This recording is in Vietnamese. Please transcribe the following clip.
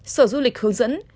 sở du lịch hướng dẫn